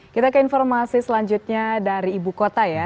kita ke informasi selanjutnya dari ibu kota ya